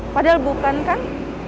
padahal bukan kan